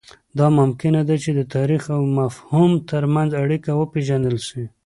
دا ممکنه ده چې د تاریخ او مفهوم ترمنځ اړیکه وپېژندل سي.